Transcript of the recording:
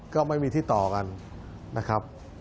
ก็ไม่มีที่ต่อกันนะครับ